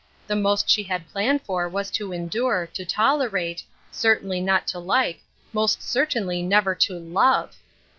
The most she had planned for was to endure, to tolerate — certainly not to like, most certainly never to love